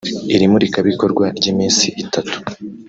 Iri murikabikorwa ry’iminsi itatu